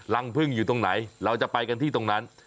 รังพึ่งอยู่ตรงไหนเราจะไปกันที่ตรงนั้น